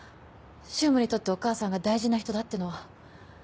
柊磨にとってお母さんが大事な人だってのは。